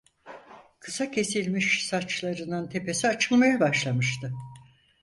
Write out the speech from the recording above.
Kısa kesilmiş saçlarının tepesi açılmaya başlamıştı.